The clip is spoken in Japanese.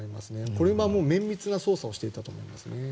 これはもう綿密な捜査をしていたと思いますね。